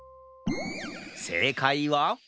せいかいは？